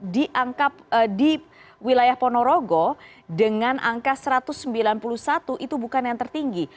dianggap di wilayah ponorogo dengan angka satu ratus sembilan puluh satu itu bukan yang tertinggi